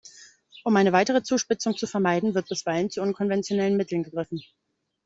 Um eine weitere Zuspitzung zu vermeiden, wird bisweilen zu unkonventionellen Mitteln gegriffen.